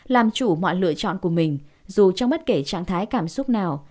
làm chủ mọi lựa chọn của mình dù trong bất kể trạng thái cảm xúc nào